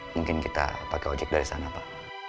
mungkin kita pakai ojek dari sana pak